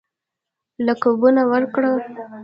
لقبونه ورکړل.